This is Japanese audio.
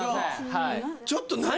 はいちょっと何？